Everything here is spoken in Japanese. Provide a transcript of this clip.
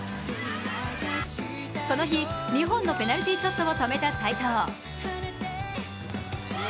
この日２本のペナルティーショットを止めた犀藤。